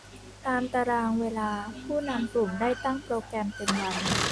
ตามตารางเวลาผู้นำกลุ่มได้ตั้งโปรแกรมเต็มวัน